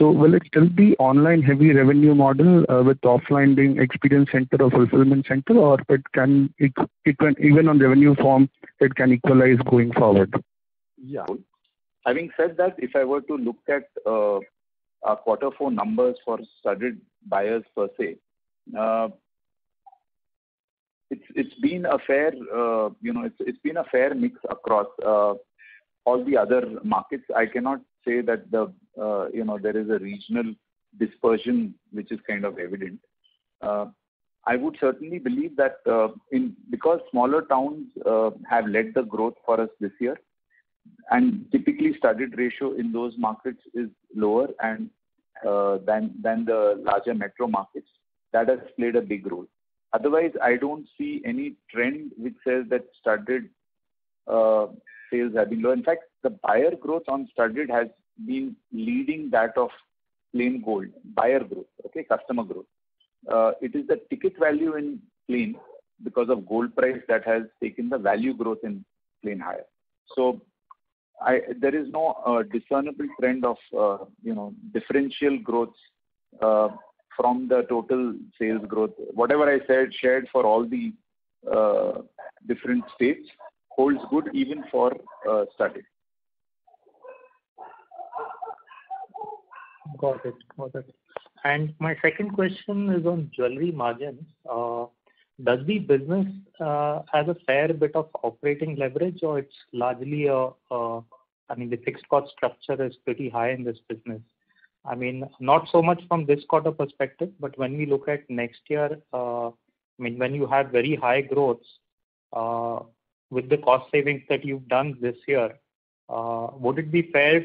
Will it still be online-heavy revenue model with offline being experience center or fulfillment center, or it can, even on revenue form, it can equalize going forward? Yeah. Having said that, if I were to look at our Q4 numbers for studded buyers per se, it has been a fair mix across all the other markets. I cannot say that there is a regional dispersion which is kind of evident. I would certainly believe that because smaller towns have led the growth for us this year, typically studded ratio in those markets is lower than the larger metro markets. That has played a big role. Otherwise, I do not see any trend which says that studded sales have been low. In fact, the buyer growth on studded has been leading that of plain gold. Buyer growth, okay? Customer growth. It is the ticket value in plain because of gold price that has taken the value growth in plain higher. There is no discernible trend of differential growth from the total sales growth. Whatever I said, shared for all the different states holds good even for studded. Got it. My second question is on jewelry margins. Does the business have a fair bit of operating leverage or it's largely a I mean, the fixed cost structure is pretty high in this business. Not so much from this quarter perspective, but when we look at next year, when you have very high growths, with the cost savings that you've done this year, would it be fair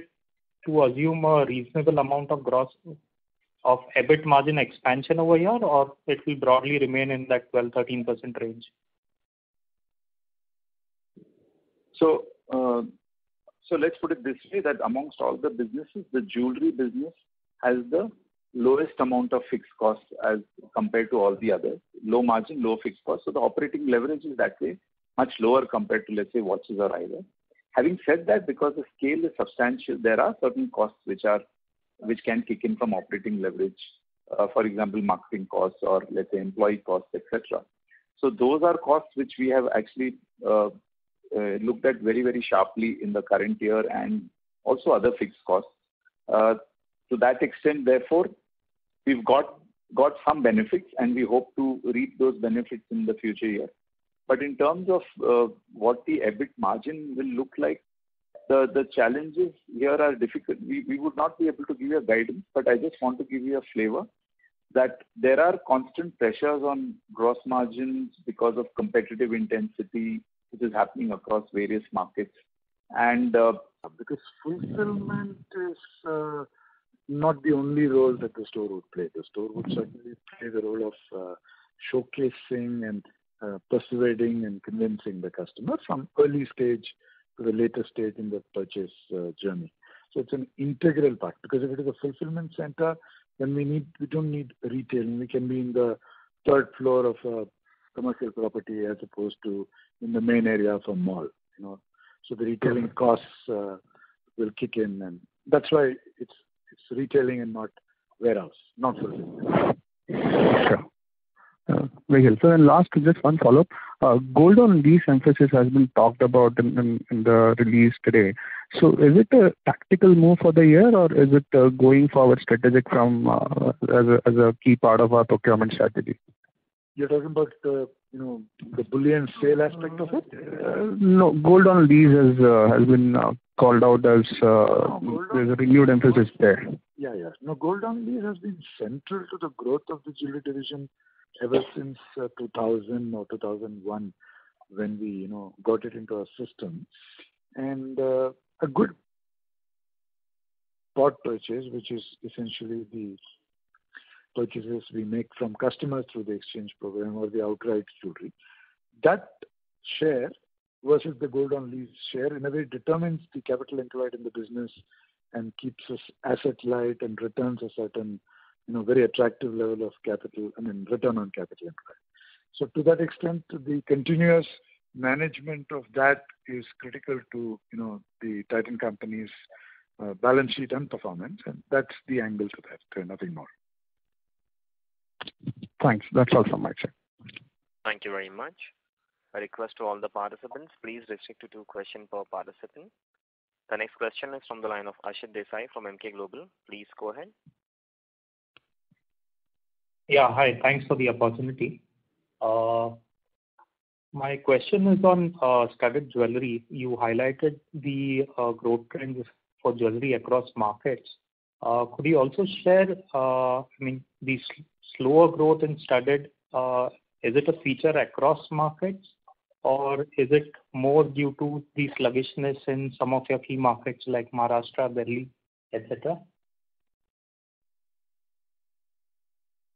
to assume a reasonable amount of EBIT margin expansion over here or it will broadly remain in that 12%-13% range? Let's put it this way, that amongst all the businesses, the jewelry business has the lowest amount of fixed costs as compared to all the others. Low margin, low fixed cost. The operating leverage is that way much lower compared to, let's say, watches or eyewear. Having said that, because the scale is substantial, there are certain costs which can kick in from operating leverage. For example, marketing costs or let's say employee costs, et cetera. Those are costs which we have actually looked at very sharply in the current year and also other fixed costs. To that extent, therefore, we've got some benefits and we hope to reap those benefits in the future year. In terms of what the EBIT margin will look like, the challenges here are difficult. We would not be able to give you a guidance, but I just want to give you a flavor that there are constant pressures on gross margins because of competitive intensity which is happening across various markets and. Fulfillment is not the only role that the store would play. The store would certainly play the role of showcasing and persuading and convincing the customer from early stage to the later stage in the purchase journey. It's an integral part because if it is a fulfillment center, then we don't need retailing. We can be in the third floor of a commercial property as opposed to in the main area of a mall. The retailing costs will kick in and that's why it's retailing and not warehouse, not fulfillment. Sure. Very helpful. Last, just one follow-up. Gold on lease emphasis has been talked about in the release today. Is it a tactical move for the year or is it going forward strategic from as a key part of our procurement strategy? You're talking about the bullion sale aspect of it? No, gold on lease has been called out as. No, gold on lease- there's a renewed emphasis there. No, gold on lease has been central to the growth of the jewellery division ever since 2000 or 2001 when we got it into our system. A good part purchase which is essentially the purchases we make from customers through the exchange program or the outright jewellery. That share versus the gold on lease share in a way determines the capital employed in the business and keeps us asset light and returns a certain very attractive level of capital, I mean, return on capital employed. To that extent, the continuous management of that is critical to the Titan Company's balance sheet and performance and that's the angle to that. Nothing more. Thanks. That's all from my side. Thank you very much. A request to all the participants, please restrict to two question per participant. The next question is from the line of Ashit Desai from Emkay Global. Please go ahead. Yeah, hi. Thanks for the opportunity. My question is on studded jewelry. You highlighted the growth trends for jewelry across markets. Could you also share, the slower growth in studded, is it a feature across markets or is it more due to the sluggishness in some of your key markets like Maharashtra, Delhi, et cetera?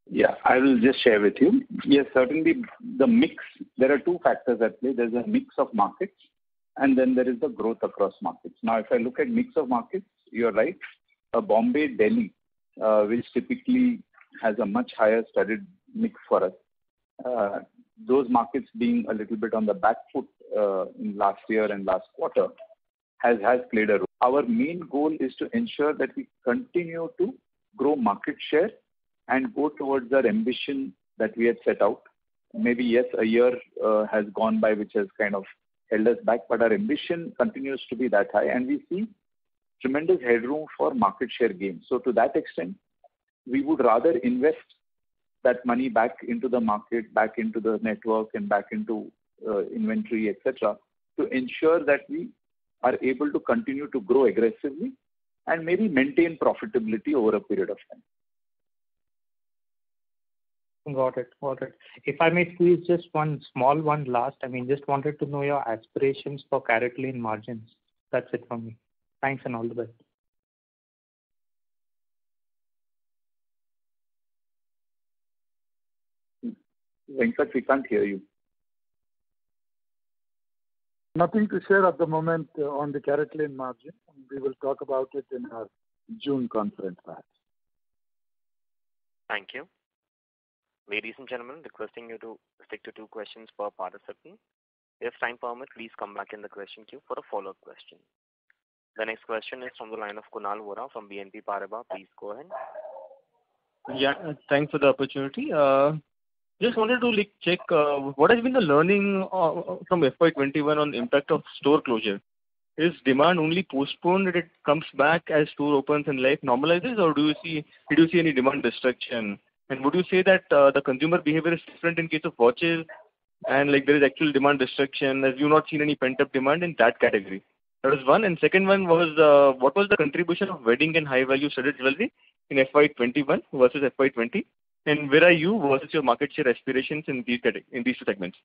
Yeah, I will just share with you. Yes, certainly the mix. There are two factors at play. There's a mix of markets and then there is the growth across markets. Now if I look at mix of markets, you are right. Bombay, Delhi, which typically has a much higher studded mix for us. Those markets being a little bit on the back foot in last year and last quarter has played a role. Our main goal is to ensure that we continue to grow market share and go towards our ambition that we had set out. Maybe yes, a year has gone by which has kind of held us back, but our ambition continues to be that high and we see tremendous headroom for market share gains. To that extent, we would rather invest that money back into the market, back into the network and back into inventory, et cetera, to ensure that we are able to continue to grow aggressively and maybe maintain profitability over a period of time. Got it. If I may squeeze just one small one last. I just wanted to know your aspirations for CaratLane margins. That's it for me. Thanks, and all the best. Venkatesh, we can't hear you. Nothing to share at the moment on the CaratLane margin. We will talk about it in our June conference perhaps. Thank you. Ladies and gentlemen, requesting you to stick to two questions per participant. If time permits, please come back in the question queue for a follow-up question. The next question is from the line of Kunal Vora from BNP Paribas. Please go ahead. Yeah. Thanks for the opportunity. Just wanted to check, what has been the learning from FY 2021 on the impact of store closure? Is demand only postponed if it comes back as store opens and life normalizes, or did you see any demand destruction? Would you say that the consumer behavior is different in case of watches, and there is actual demand destruction as you've not seen any pent-up demand in that category? That was one, and second one was, what was the contribution of wedding and high-value studded jewelry in FY 2021 versus FY 2020? Where are you versus your market share aspirations in these two segments?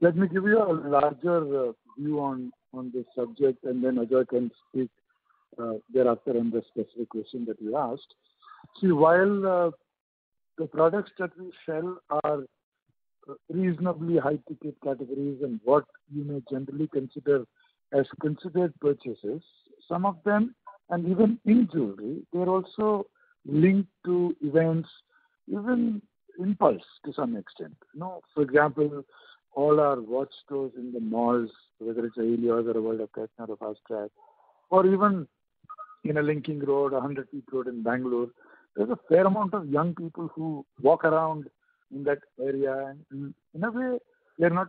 Let me give you a larger view on this subject, then Ajoy can speak thereafter on the specific question that you asked. See, while the products that we sell are reasonably high-ticket categories and what you may generally consider as considered purchases, some of them, and even in jewelry, they're also linked to events, even impulse to some extent. For example, all our watch stores in the malls, whether it's a Helios or a World of Titan or Fastrack, or even in a Linking Road, 100 Feet Road in Bangalore, there's a fair amount of young people who walk around in that area. In a way, they're not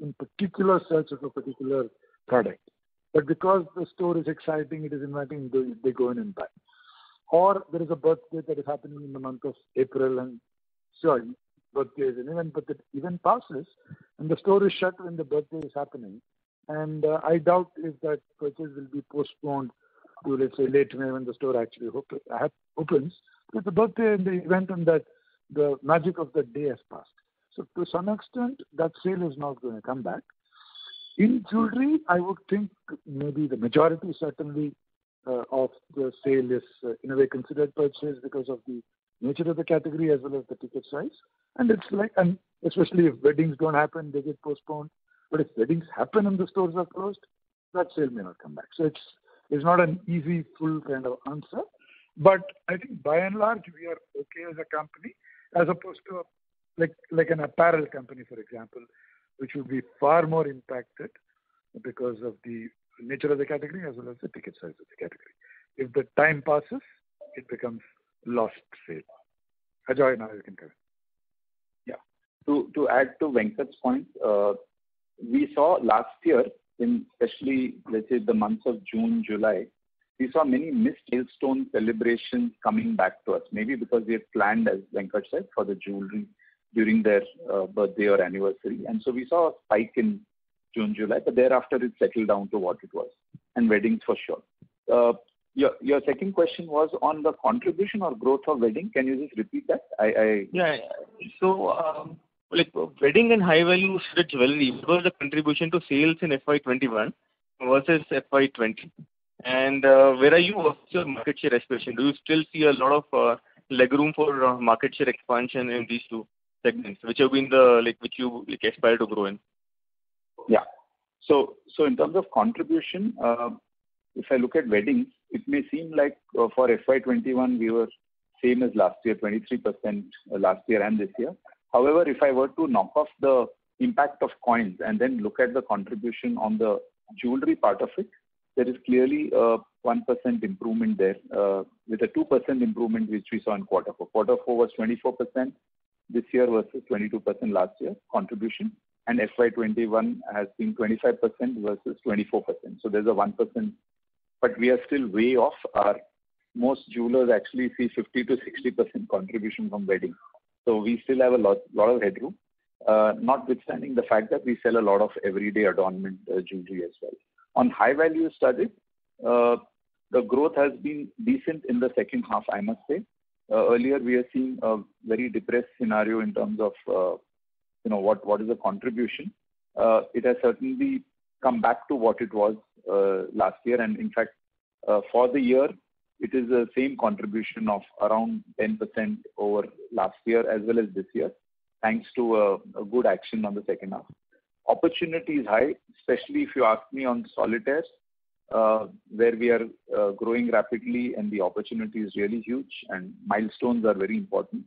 in particular search of a particular product. Because the store is exciting, it is inviting, they go in and buy. There is a birthday that is happening in the month of April, the birthday is an event, but the event passes, and the store is shut when the birthday is happening. I doubt if that purchase will be postponed to, let's say, later, when the store actually opens. The birthday and the event on that, the magic of the day has passed. To some extent, that sale is not going to come back. In jewelry, I would think maybe the majority certainly of the sale is in a way considered purchase because of the nature of the category as well as the ticket size. Especially if weddings don't happen, they get postponed. If weddings happen and the stores are closed, that sale may not come back. It's not an easy, full kind of answer. I think by and large, we are okay as a company as opposed to an apparel company, for example, which will be far more impacted because of the nature of the category as well as the ticket size of the category. If the time passes, it becomes lost sale. Ajoy, now you can carry on. Yeah. To add to Venkatesh's point, we saw last year in especially, let's say, the months of June, July, we saw many missed milestone celebrations coming back to us, maybe because they had planned, as Venkatesh said, for the jewelry during their birthday or anniversary. We saw a spike in June, July, but thereafter it settled down to what it was. Weddings, for sure. Your second question was on the contribution or growth of wedding. Can you just repeat that? Yeah. Wedding and high-value studded jewelry, what was the contribution to sales in FY 2021 versus FY 2020? Where are you versus your market share aspiration? Do you still see a lot of legroom for market share expansion in these two segments, which you aspire to grow in? Yeah. In terms of contribution, if I look at weddings, it may seem like for FY 2021 we were same as last year, 23% last year and this year. However, if I were to knock off the impact of coins and then look at the contribution on the jewelry part of it, there is clearly a 1% improvement there with a 2% improvement which we saw in Q4. Q4 was 24% this year versus 22% last year contribution, and FY 2021 has been 25% versus 24%. There's a 1%, but we are still way off. Most jewelers actually see 50%-60% contribution from wedding. We still have a lot of headroom, notwithstanding the fact that we sell a lot of everyday adornment jewelry as well. On high-value studded, the growth has been decent in the second half, I must say. Earlier, we are seeing a very depressed scenario in terms of what is the contribution. It has certainly come back to what it was last year, and in fact, for the year, it is the same contribution of around 10% over last year as well as this year, thanks to a good action on the second half. Opportunity is high, especially if you ask me on solitaires, where we are growing rapidly and the opportunity is really huge, and milestones are very important.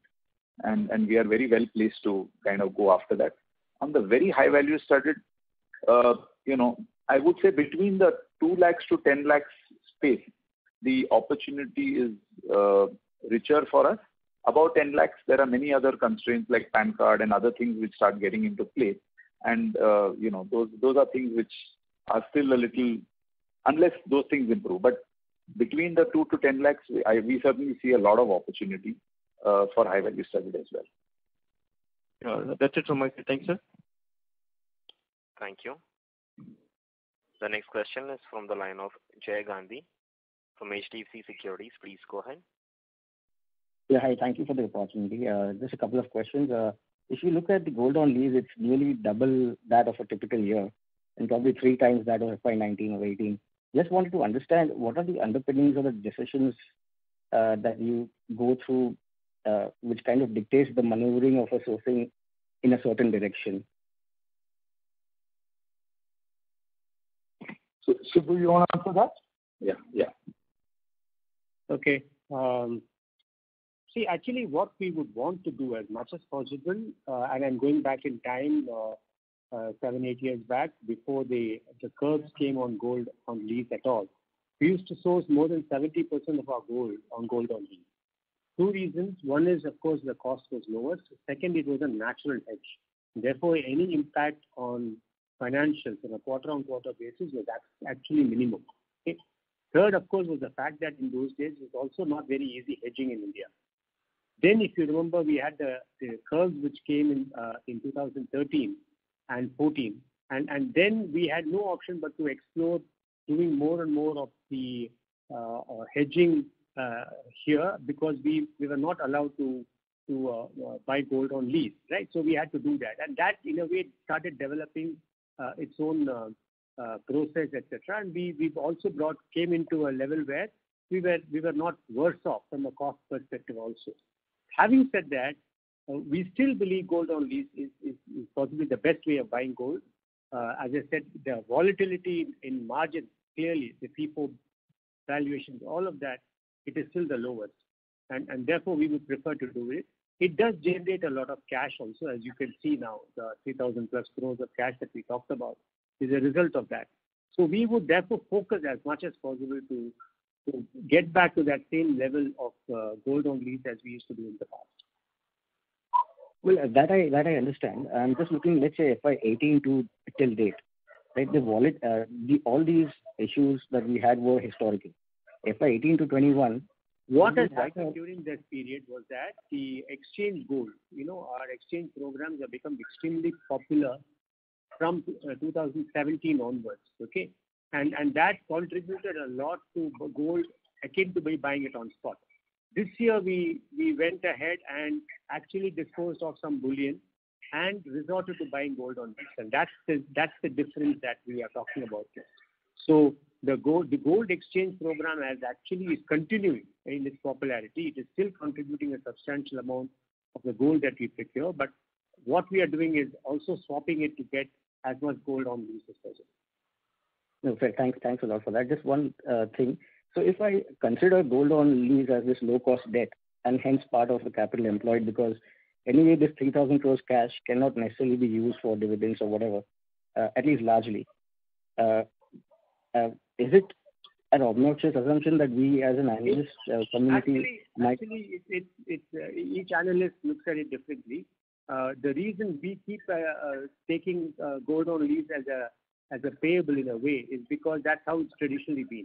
We are very well placed to go after that. On the very high-value studded, I would say between the 2 lakhs-10 lakhs space, the opportunity is richer for us. Above 10 lakhs, there are many other constraints like PAN card and other things which start getting into play. Those are things which are still a little unless those things improve. Between the 2 lakhs-10 lakhs, we certainly see a lot of opportunity for high-value studded as well. Got it. That's it from my side. Thanks, sir. Thank you. The next question is from the line of Jay Gandhi from HDFC Securities. Please go ahead. Yeah. Hi, thank you for the opportunity. Just a couple of questions. If you look at the gold on lease, it's nearly double that of a typical year and probably 3x that of FY 2019 or FY 2018. Just wanted to understand what are the underpinnings of the decisions that you go through, which kind of dictates the maneuvering of a sourcing in a certain direction. Shibu, you want to answer that? Yeah. Okay, actually what we would want to do as much as possible, and I'm going back in time, seven, eight years back before the curbs came on gold on lease at all. We used to source more than 70% of our gold on lease. Two reasons. One is, of course, the cost was lower. Second, it was a natural hedge. Therefore, any impact on financials on a quarter-on-quarter basis was actually minimum. Third, of course, was the fact that in those days it was also not very easy hedging in India. If you remember, we had the curbs which came in 2013 and 2014. We had no option but to explore doing more and more of the hedging here because we were not allowed to buy gold on lease. Right? We had to do that. That, in a way, started developing its own process, et cetera. We've also came into a level where we were not worse off from a cost perspective also. Having said that, we still believe gold on lease is possibly the best way of buying gold. As I said, the volatility in margin, clearly the people valuations, all of that, it is still the lowest, therefore we would prefer to do it. It does generate a lot of cash also, as you can see now, the 3,000 plus crores of cash that we talked about is a result of that. We would therefore focus as much as possible to get back to that same level of gold on lease as we used to do in the past. Well, that I understand. I'm just looking, let's say FY 2018 to till date. All these issues that we had were historical. FY 2018-2021, what has happened. What has happened during that period was that the exchange gold. Our exchange programs have become extremely popular from 2017 onwards. Okay? That contributed a lot to gold akin to buying it on spot. This year we went ahead and actually disposed off some bullion and resorted to buying gold on lease. That's the difference that we are talking about here. The gold exchange program as actually is continuing in its popularity, it is still contributing a substantial amount of the gold that we procure, but what we are doing is also swapping it to get as much gold on lease as possible. No, fair. Thanks a lot for that. Just one thing. If I consider gold on lease as this low-cost debt and hence part of the capital employed, because anyway this 3,000 crores cash cannot necessarily be used for dividends or whatever, at least largely. Is it an obnoxious assumption that we as an analyst community might? Actually, each analyst looks at it differently. The reason we keep taking gold on lease as a payable in a way is because that's how it's traditionally been.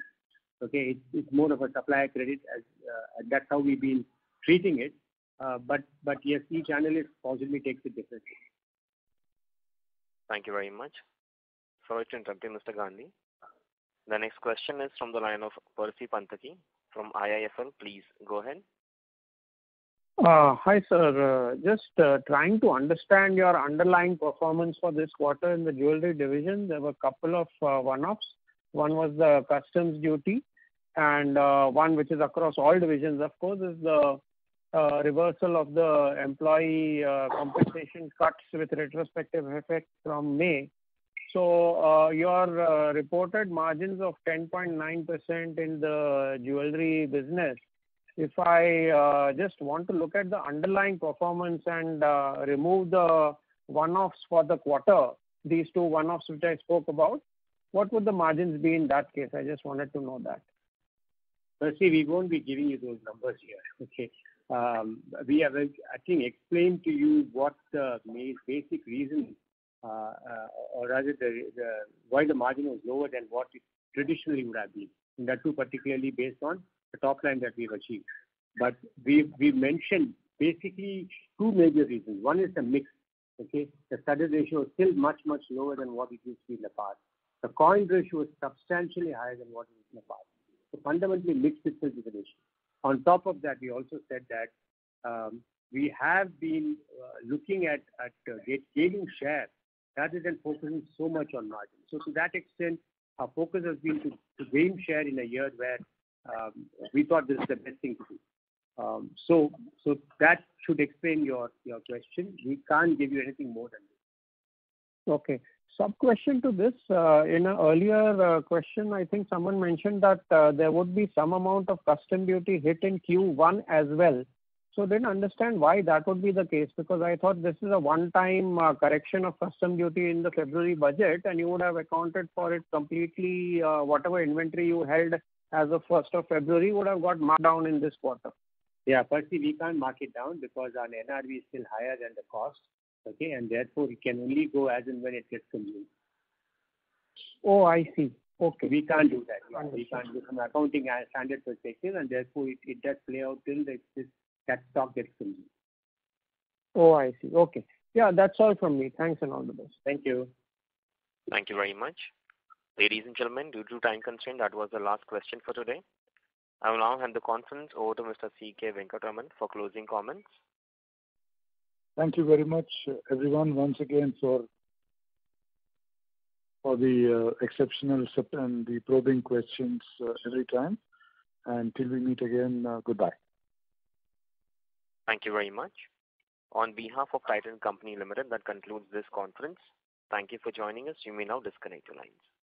Okay? It's more of a supplier credit as that's how we've been treating it. Yes, each analyst possibly takes it differently. Thank you very much. Sorry to interrupt you, Mr. Gandhi. The next question is from the line of Percy Panthaki from IIFL. Please go ahead. Hi, sir. Just trying to understand your underlying performance for this quarter in the jewelry division. There were couple of one-offs. One was the customs duty and one which is across all divisions, of course, is the reversal of the employee compensation cuts with retrospective effect from May. Your reported margins of 10.9% in the jewelry business. If I just want to look at the underlying performance and remove the one-offs for the quarter, these two one-offs, which I spoke about, what would the margins be in that case? I just wanted to know that. Percy, we won't be giving you those numbers here. Okay? We have, I think, explained to you what the main basic reason or rather why the margin was lower than what it traditionally would have been, and that too, particularly based on the top line that we have achieved. We mentioned basically two major reasons. One is the mix. Okay? The studded ratio is still much, much lower than what we used to be in the past. The coin ratio is substantially higher than what it was in the past. Fundamentally, mix itself is an issue. On top of that, we also said that we have been looking at gaining share rather than focusing so much on margin. To that extent, our focus has been to gain share in a year where we thought this is the best thing to do. That should explain your question. We can't give you anything more than this. Okay. Sub-question to this. In an earlier question, I think someone mentioned that there would be some amount of custom duty hit in Q1 as well. Didn't understand why that would be the case, because I thought this is a one-time correction of custom duty in the February budget, and you would have accounted for it completely, whatever inventory you held as of 1st of February would have got marked down in this quarter. Yeah, Percy, we can't mark it down because our NRV is still higher than the cost. Okay? Therefore it can only go as and when it gets consumed. Oh, I see. Okay. We can't do that. We can't do from accounting standard perspective. Therefore it does play out till that stock gets consumed. Oh, I see. Okay. Yeah, that's all from me. Thanks and all the best. Thank you. Thank you very much. Ladies and gentlemen, due to time constraint, that was the last question for today. I will now hand the conference over to Mr. C.K. Venkataraman for closing comments. Thank you very much, everyone, once again for the exceptional and the probing questions every time. Till we meet again, goodbye. Thank you very much. On behalf of Titan Company Limited, that concludes this conference. Thank you for joining us. You may now disconnect your lines.